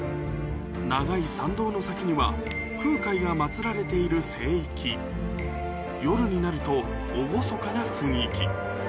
長い参道の先には空海が祭られている夜になると厳かな雰囲気